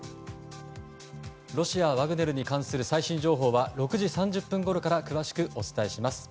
ロシア、ワグネルに関する最新情報は６時３０分ごろから詳しくお伝えします。